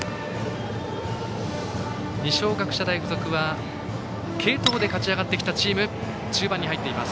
二松学舎大付属は継投で勝ち上がってきたチーム。